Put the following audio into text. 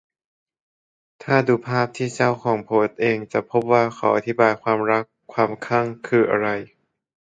ถ้าดูภาพที่เจ้าของโพสเองจะพบว่าเขาอธิบายว่า ความรัก ความคลั่งคืออะไร